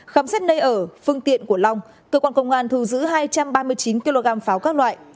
khám xét nơi ở phương tiện của long cơ quan công an thu giữ hai trăm ba mươi chín kg pháo các loại